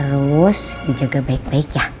terus dijaga baik baik ya